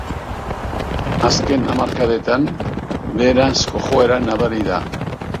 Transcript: Azken hamarkadetan beheranzko joera nabari da.